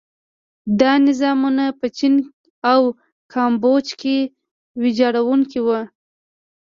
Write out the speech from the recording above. دا نظامونه په چین او کامبوج کې ویجاړوونکي وو.